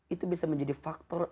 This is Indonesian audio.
itu bisa menjadi faktor